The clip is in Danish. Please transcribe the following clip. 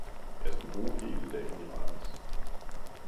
Jeg skal bruge hele dagen i Randers